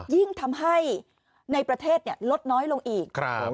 ยิ่งทำให้ในประเทศลดน้อยลงอีก